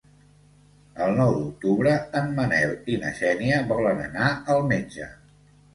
El nou d'octubre en Manel i na Xènia volen anar al metge.